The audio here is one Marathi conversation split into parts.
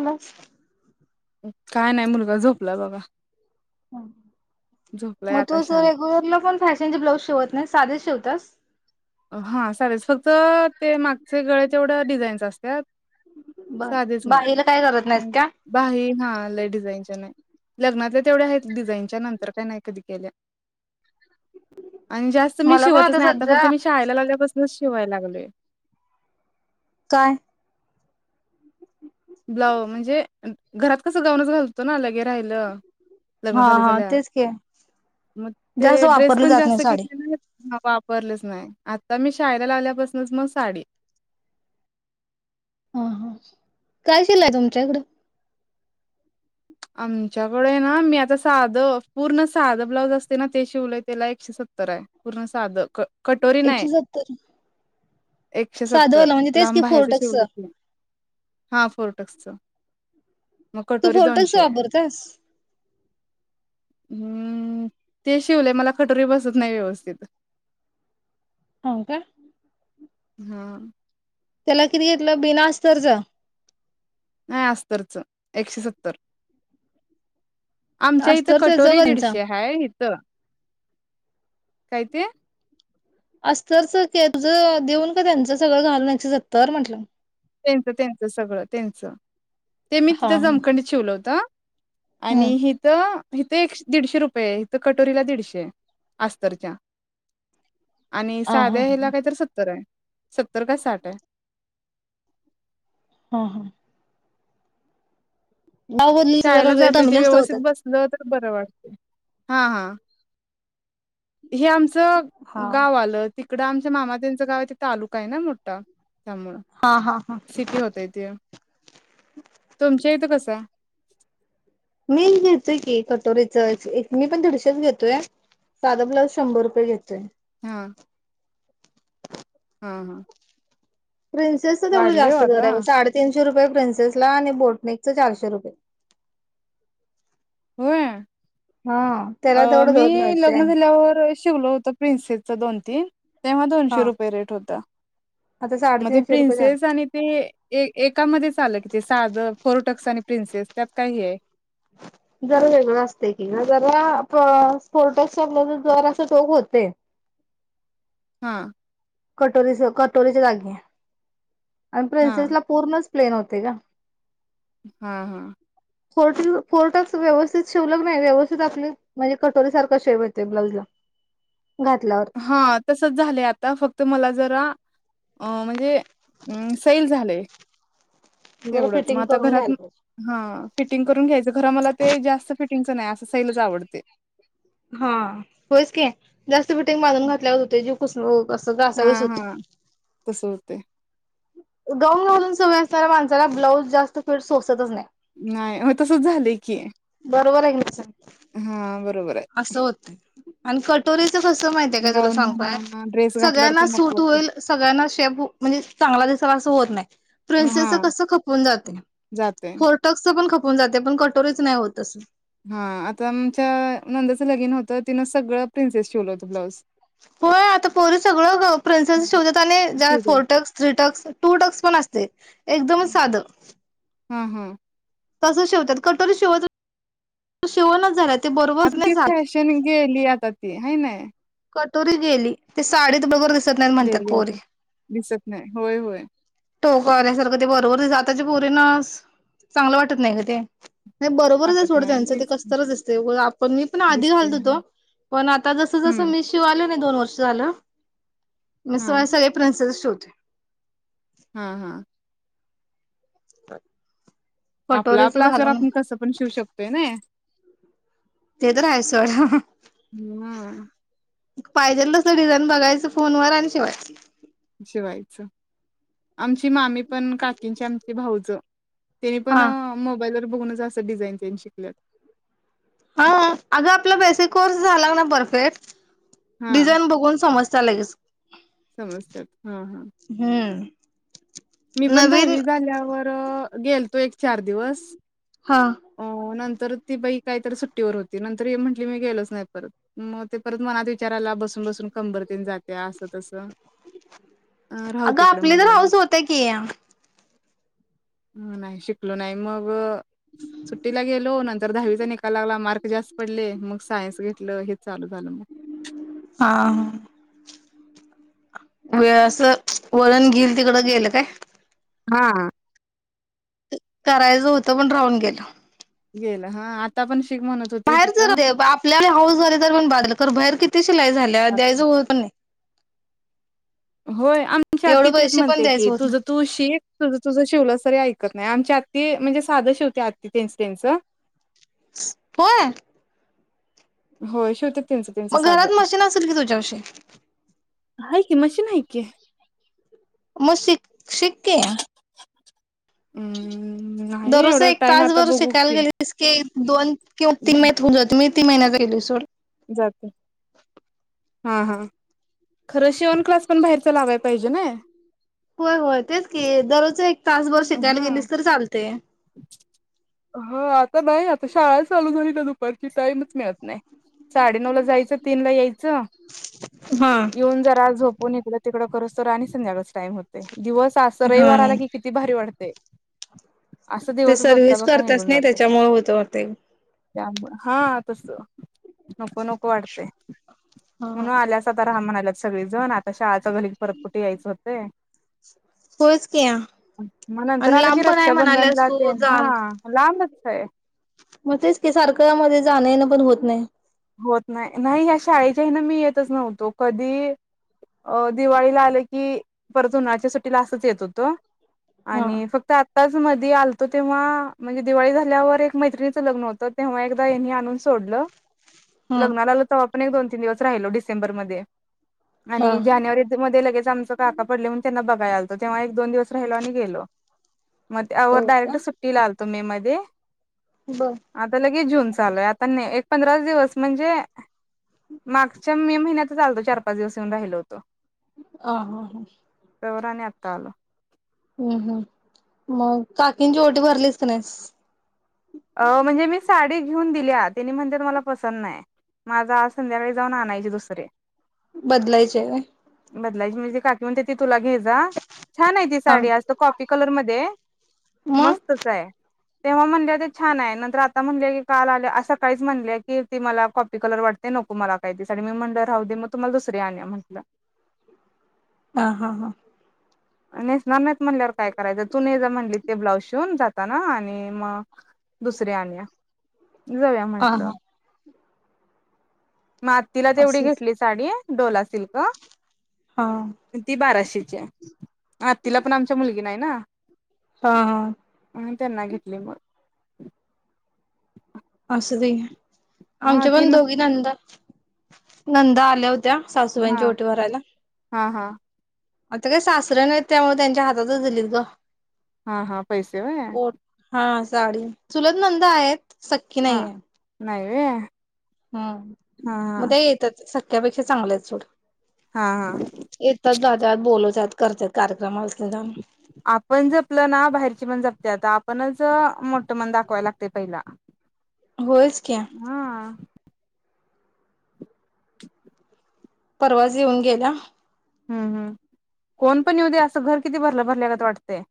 बस. काय नाय, मुलगा झोपला बघा. झोपलाय मग तु आता अस शांत. रेग्युलरला पण फॅशनचे ब्लाउज शिवत नाही, साधेच शिव. दस. हा साधेच, फक्त ते मागचे गळे तेवढं डिझाईन्स असत. त्यात. बर साधेच बाईला काय करत नाहीस मग, का भारी हा, लई डिझाईनच्या नाही. लग्नातल्या तेवढ्या आहेत डिझाईनच्या, नंतर काय नाही कधी केल्या. आणि जास्त मी मला पण शिवतच नाही, आता फक्त. सध्या शाळेला लागल्यापसन स्मुथ शिवाय लागलोय. काय, ब्लाऊ म्हणजे, घरात कसं गाऊनच घालतो ना, लगे राहिलं. लग्न हा हा झाल्या-झाल्या, तेच की मग जास्त ते ड्रेस वापरली पण जात नाही जास्त साडी घेतले ना. हा वापरलंच नाही, आता मी शाळेला लावल्यापसनच मग साडी. हा हा, काय शिलाई आहे तुमच्याकडं? आमच्याकडे ना, मी आता साधं पूर्ण साधं ब्लाऊज असते ना ते शिवलेय त्याला एकशे सत्तर आहे, पूर्ण साधं क कटोरी नाही, एकशे सत्तर एकशे सत्तर साधवाला म्हणजे तेच की लांब बाह्याच फोर्टक्स शिवलय, हा फुल टक्स. मग, कटोरी दोनशे! आहे. जबरदस, हम्म, ते शिवलेय मला कटोरी बसत नाही व्यवस्थित. हो-का. हा अ! त्याला किती घेतलं, बिना-अस्तर ज. नाही अस्तरच, एकशे सत्तर! आमच्या इथं अस्तरच कटोरी जगनचा दीडशे हाय. तर [inaudible] काय ते. अस्तरच केप ज, देऊन का त्यांचं सगळं घालून एकशे सत्तर! म्हटलं. त्यांच-त्यांच सगळं त्यांच. ते मी हा तिथं हा जमखंडीत शिवल होत. आणि हम्म हिथ. हिथे एक दीडशे रुपये! इथं कटोरीला दीडशे अस्तरच्या. आणि हा हा साध्या ह्याला काहीतर सत्तर आहे. सत्तर का साठ आहे. हं हं गाव बदलीच रेट आणि जरा जास्त होत्यात. बर वाटत हा हा. हे आमचं हा. गाव आलं तिकड आम मा मामाातच गाव तालुका आहे ना मोठा त्यामुळ हा हा हा च्या इथं कसंय? मी घेतोय की कटोरीच एक मी पण दीडशेच घेतोय, साधा ब्लाऊज शंभर रुपये घेतोय. हा हा हा. प्रिन्सेसच तेवढ वाढलंय ओ जास्त आता दर आहे बघ साडेतीनश शे रुपये प्रिनसेसला आणि बोटनेकच चारशे रुपये होय? हा त्याला अ तेवढं मी दर मिळतोय लग्न आणि झाल्यावर शिवल होतं प्रिन्सेसचं दोन तीन तेव्हा हा दोनशे रुपये रेट होता. आता मग ते साडेतीनशे रुपये झाले. प्रिनसेस आणि ते एकामध्ये चालं कि ते साध फोर्ट. टक्स आणि प्रिन्सेस त्यात काही आहे. जर वेगळं असतंय की गं जरा स्पोट आपलं जर असं टोक होतय हा कटोरीच कटोरीच्या जागी आणि हा प्रिन्सेसला पूर्णच प्लेन होतय ग. हा हा फो फोर टक्स व्यवस्थित शिवल क नई व्यवस्थित आपली म्हणजे कटोरी सारखा शेप येतय ब्लाउजला घातल्यावर हा तसच झालंय आता फक्त मला जरा अ म्हणजे सैल झालंय. जरा तेवढंच मग फिटिंग आता करून घरात घ्यायला पाहिजे. हा फिटिंग करून घ्यायचं आता खरं मला ते जास्त फिटिंग नाही आ हा होयच की जास्त फिटींग बांधून घातल्यावर होतंय जीव कुसव हा हा तस हुतय गाऊन लाजून सय असणाऱ्या माणसाला ब्लाऊज जास्त फिट सोसतच नाही. नाही होय तसच झालंय की रोबर हाय का नई सांग हा बरोबर आहे असं होतंय आणि कटोरी च कस माहिती गाऊन हात काय म्हणा [unintelligible] ड्रेस घातल्यावर सगळ्यांना पण नको वाटते असं तवा असं होत नाही. हा प्रिन्सेस कस खपून जात, जाते फोर्टक् पण ख होऊन जातय पण कटोरीच नाही होत अस हा आता आमच्या नंदाचं लगिन होतं तिनं सगळं प्रिन्सेस ठेवलं होतं ब्लाउज होय आता पोरी सगळं प्रिन्सेस शिवतात आणि ज्या शिवलं. Four tucks three tucks. Two tucks पण असतय. एकदमच साध. हा हा तसं शिवतात कटोरी शिवत [inaudible] शिवणच झाल्यात. आता ती फॅशन गेली आता ती हाय नी. तुरी गेली ते साडीत बरोबर दिसत नाहीत म्हणतात गली पोरी आता दिसत नाही होय होय टोकल्यासारखं ते बरोबर जाताची पुरी ना चांगलं वाटत नाही ग ते. नाही बरोबरच आहे वाटत सोडं नाही त्यांचं ते तीच कसतच असतें आपण मी पण आधी दिसते घालत होतो पण आता जस जसं हम्म मी शिवालो नाही दोन वर्ष कस झालं मी हा समयसग प्रनस शू [inaudible] हा हा [unintelligible] आपला कटोरीच आपला असल्यावर घालून आपण कसं पण शिवू शकतोय नाई ते तर आहेच सोड. हा पाहिजेल तसं डिझाईन बघायचं फोनवर आणि शिवायचं. शिवायचं आमची मामी पण काकींची आमची भाऊजयं तेनी पण हा. मोबाईलवर बघूनच असं डिझाईन तेन शिकल्यात. हा. अग आपला बेसिक कोर्स झाला ना परफेक्ट डिझाईन बघून समज च लगेच. समजत्यात. हा हा हम्म मी पण नवीन दहावी झाल्यावर गेलतो एक चार दिवस हा -तर ती बाई काहीतरी सुट्टीवर होती. नंतर म्हटली मी गेलोच नाही परत मग ते परत मनात विचारायला बसून बसून कंबरतेन जाते असं तस अगं आपली तर हौस होत्या की ह नाही शिकलो नाही मग सुट्टीला गेलो नं- -तर दहावीचा निकाल लागला. मार्क जास्त पडले मग सायन्स घेतलं हे चालू. झालं मग हा व्हयं असं वळण घेईल तिकडं गेल काय? हा करायचं होतं पण राहून गेलं. गेलं हा आता पण शिक म्हणत होती बाहेरचं तिथं राहूदे आपली आपली हौस झाली तर पण बास झालं. बाहेर किती शिलाई झाल्या द्यायचं होत पण नाही. होय आमच्या आत्ती एवढे तेच पैसे पण म्हणते द्यायच की होत तुझं नाही तू शिक तुझं तुझ शिवलीस तरी ऐक नाही आमच्या आत्ती म्हणजे साधं शिवते आत्ती त्यांच त्याचं होयं होयं शिवत्यात. त्यांचं त्यांचं मग साधं घरात मशीन असेल की तुझ्यापाशी हाय की मशीन हाय की. मग शिक शिक की अम्म नाही दररोज एवढा एक टाइम आता तासभर बघू शिकायला की गेलीस की दोन किंवा तीन महिन्यात होऊन जात. मी किती महिन्यात घरी गेली सर? जात. हा! हा! खरं, शिवन क्लास पण बाहेरचा लावायला पाहिजे ना. होय, होय! तेच की दररोज एक तासभर शिकायला हा. गेलीस तर चालतंय. हा, आता नाही आता शाळा चालू झाली, तर दुपारची टाइमच मिळत नाही. साडे नऊ ला जायचं तीन ला यायचं. हा येऊन जरा झोपून घेतलं तिकड करोस तर आणि संध्याकाळचा टाईम होतोय. दिवस आस हा रविवार आला की किती भारी वाटतंय? ते सर्विस बघता करतच नाही त्याच्यामुळे होत ते. त्यामुळं हा तस नको नको वाटतंय. हा म्हणून आल्यासा तर राहा म्हणाल्यात. सगळे जण आता शाळाच्या घरी परत कुठे यायचं होते? होयच की या आणि लांब पण आहे मला. मनला तेन हा. लां [inaudible] म तेच की, सारखं मधे जाणं येणंपण होत नाय. होत नाही. नाही या शाळेच्या हेनं मी येतच नव्हतो. कधी अ दिवाळीला आलं की, परत उन्हाळ्याच्या सुट्टीला असंच येत होतो. हा आणि फक्त आत आताच मधी आलतो तेव्हा म्हणजे दिवाळी झाल्यावर एक मैत्रिणीचं लग्न होतं, तेव्हा एकदा हेनी आणून सोडलं. हम्म लग्नाला आलो तवा पण एक दोन तीन दिवस राहिलो, डिसेंबरमध्ये हा आणि जानेवारीमध्ये लगेच आमचं काका पडले म्हणून त्यांना बघा य आलतो, तेव्हा एक दोन दिवस राहिलो आणि गेलो. मग हो त्यावर का? डायरेक्ट सुट्टीला आल तुम्ही मध्ये बर. आता जून चालू हाय, आता नाय एक पंधराच दिवस म्हणजे मागच्या मे महिन्यातच आलतो, चारपाच दिवस येऊन राहिलो होतो. आ हा हा. तवर आणि आता आलो. हम्म हम्म, मग काकींची ओटी भरलीस का नाहीस? अ म्हणजे मी साडी घीऊन दिल्या, तेनी म्हणत्यात मला पसंत नाय. म आज संध्याकाळी जाऊन आणायची दुसरी. बदलायची हाय व्हय? बदलायची म्हणजे काकी म्हणत्या, ती तुला घे जा. छान आहे ती हा साडी. असं कॉपी कलरमध्ये आहे, मग मस्तच आहे. तेव्हा म्हणल्या होत्या छान आहे नंतर आता म्हणल्या की, काल आल्या. आज सकाळीच म्हणली की, ती मला कॉपी कलर वाटते, नको मला काही ती साडी. मी म्हणलं राहू दे मग, तुम्हाला दुसरी आणूया म्हटलं. हा हा हा. नेसणार नाहीत म्हणल्यावर काय करायचं? तु ने जा म्हणली, ते ब्लाऊज शिवून जाताना आणि मग दुसरी आणूया. जाऊया हा म्हटलं. हा मग आत्तीला तेवढी असेच घेतली साडी. डोला सिल्क हा ती बाराशेची आहे. आत्तीलापण आमच्या मुलगी नाही ना. हा हा अं. त्यांना घेतली मग. असूदे घे. हा आमच्यापण तीन दोघी नंदा नंदा आल्या हु त्या, सासूबाईंची हा ओटी भरायला. हा हा आता काय सासरं नाही त्यामुळे त्यांच्या हातातच दिलीत ग हा हा पैसे होय. ओट हा साडी चुलत नंदा आहेत. सख्खी हा नाहीय. नाही व्हय. हम्म हा मग ते येत्यात. त्यापेक्षा चांगलं आहे सोड हा हा येतात जातात बोलवतात करतात कार्यक्रम असलं. आपण जपलं ना बाहेरची पण जपत्यात आप आपणच मोठ मन दाखवायला लागते पहिला होयच की हा क [inaudible] परवाच येऊन गेल्या. हम्म हम कोण पण येऊ दे असं घर किती भरलं भरल्यागत वाटतंय.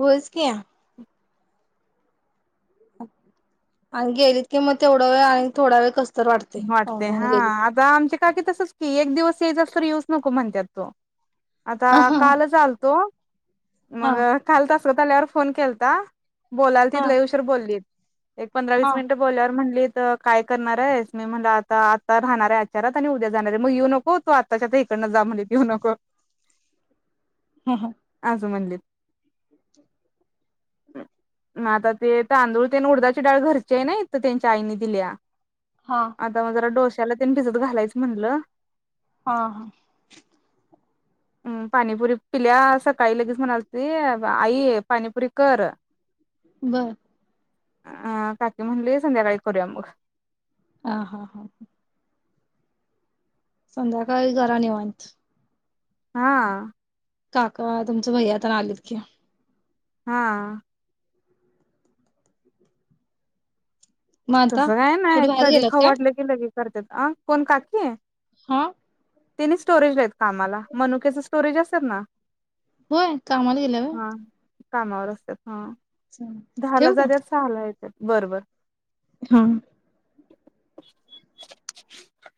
होयच की. आणि गेलीत की मग तेवढा वेळ आणि थोडा वेळ कस. वाटते हा आता आमचे काकी तसच की एक दिवस ये जात येवूस नको म्हणतात तो आता हा हा कालच आलतो. हा मग काल तस शमृतला यावर फोन केलता. बोलाल हा तिथ लयुशवर बोललीत. एक पंधरा हा वसनिट बोल्यावर म्हणली. तर काय करणार आहे. मी म्हटलं आता आता राहणारे आचारात आणि उद्या जाणार आहे मग येऊ नको तो आताच्या इकड ली तनक हा आजो म्हणलीित मग आता ते तांदूळ ते उडदाची डाळ घरची आहे नाही. तर त्यांच्या आईने दिल्या हा आता मजरा डोसे त्याला तनी भिजत घालायचं म्हणलं. हा हा. हम् पाणीपुरी पिल्या सकाळी लगेच म्हणाल त आई पाणीपुरी कर बर. अ काकी म्हणली संध्याकाळी करूया मग हा हा हा ह संध्याकाळी घरा निवांत हा काका तुमच भै आता आलेत की हा मग आता तसं काय ना कुठे बाहेर कधी गेल्यात ख काय वाटलं की लगेच करतात अ कोण काकी आहे हा तिने स्टोरेज लात कामाला मनुकेच स्टोरेज असल ना होय कामाला गेल्यावर हा कामावर असतात हा दहा ला ठेवू का झाल्यावर सहा ला येत बरोबर हा [inaudible]